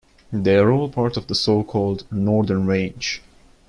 They are all a part of the so-called "Northern Range".